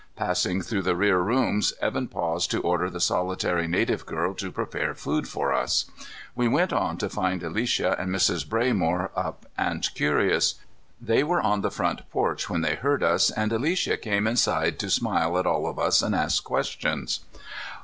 Passing through the rear rooms, Evan paused to order the solitary native girl to prepare food for us. We went on to find Alicia and Mrs. Braymore up and curious. They were on the front porch when they heard us, and Alicia came inside to smile at all of us and ask questions.